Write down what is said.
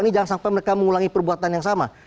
ini jangan sampai mereka mengulangi perbuatan yang sama